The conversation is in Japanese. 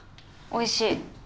おいしい。